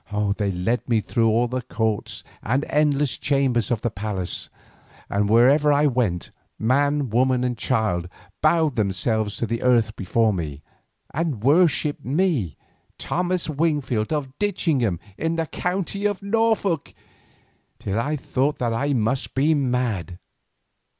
They led me through all the courts and endless chambers of the palace, and wherever I went, man woman and child bowed themselves to the earth before me, and worshipped me, Thomas Wingfield of Ditchingham, in the county of Norfolk, till I thought that I must be mad.